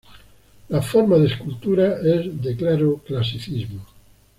La forma de la escultura es de claro clasicismo.